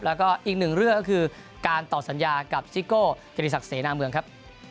แล้วก็อีกหนึ่งเรื่องก็คือการตอบสัญญากับซิโก้เกณฑิสักเสน่ห์หน้าเมืองครับ